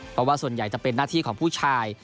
เพราะว่าส่วนใหญ่จะเป็นหน้าที่ของผู้ชาย